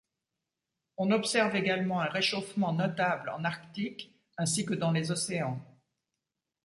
On observe également un réchauffement notable en Arctique, ainsi que dans les océans.